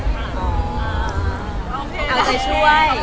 ขอบใจช่วย